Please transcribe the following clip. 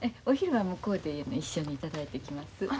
お昼は向こうで一緒にいただいてきます。